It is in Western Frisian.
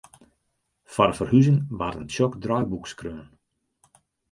Foar de ferhuzing waard in tsjok draaiboek skreaun.